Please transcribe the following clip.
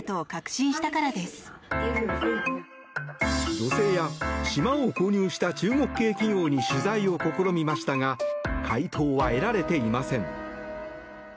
女性や島を購入した中国系企業に取材を試みましたが回答は得られていません。